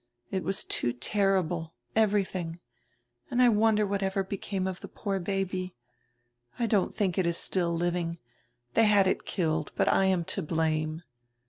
It was too terrible. Everything. And I wonder what ever became of die poor baby? I don't diink it is still living; diey had it killed, but I am to blame."